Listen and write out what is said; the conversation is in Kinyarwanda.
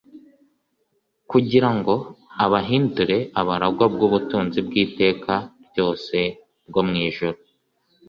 kugira ngo abahindure abaragwa b'ubutunzi bw'iteka ryose bwo mu ijuru.